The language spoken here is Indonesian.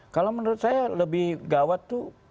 kalau menurut saya lebih gawat tuh